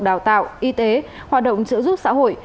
đào tạo y tế hoạt động trợ giúp xã hội